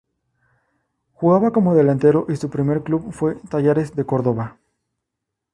Jugaba como delantero y su primer club fue Talleres de Córdoba.